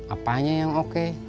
apanya yang oke